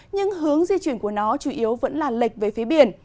nhưng hướng di chuyển của nó chủ yếu vẫn là lệch về phía biển